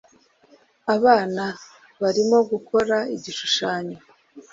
Abana barimo gukora igishushanyo.